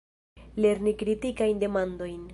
Lerni kritikajn demandojn.